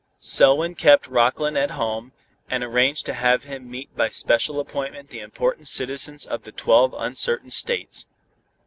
Selwyn kept Rockland at home, and arranged to have him meet by special appointment the important citizens of the twelve uncertain states.